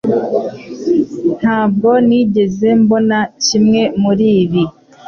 Ntabwo nigeze mbona kimwe muribi